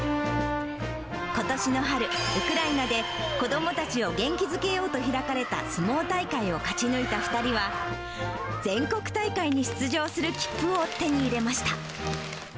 ことしの春、ウクライナで、子どもたちを元気づけようと開かれた相撲大会を勝ち抜いた２人は、全国大会に出場する切符を手に入れました。